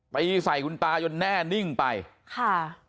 ไปใส่คุณตาจนแน่นิ่งไปค่ะ